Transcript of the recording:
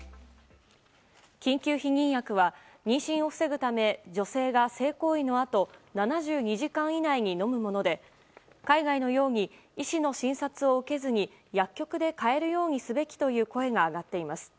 緊急避妊薬は妊娠を防ぐため女性が性行為のあと７２時間以内に飲むもので海外のように医師の診察を受けずに薬局で買えるようにすべきという声が上がっています。